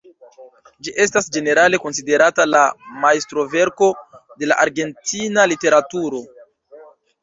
Ĝi estas ĝenerale konsiderata la majstroverko de la argentina literaturo.